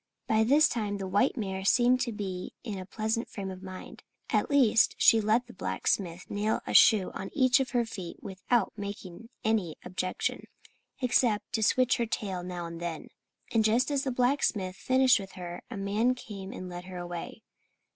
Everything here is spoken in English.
By this time the white mare seemed to be in a pleasanter frame of mind. At least, she let the blacksmith nail a shoe on each of her feet without making any objection except to switch her tail now and then. And just as the blacksmith finished with her a man came and led her away.